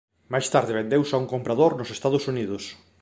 Máis tarde vendeuse a un comprador nos Estados Unidos.